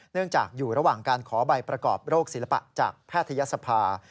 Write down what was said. จากอยู่ระหว่างการขอใบประกอบโรคศิลปะจากแพทยศภา